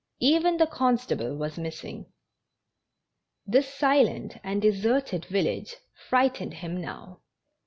Even the con stable was missing! This silent and deserted village frightened him now.